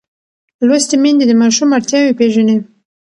لوستې میندې د ماشوم اړتیاوې پېژني.